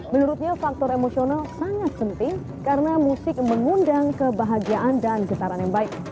menurutnya faktor emosional sangat penting karena musik mengundang kebahagiaan dan getaran yang baik